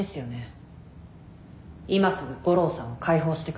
今すぐ悟郎さんを解放してください。